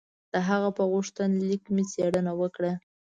د هغه په غوښتنلیک مې څېړنه وکړه.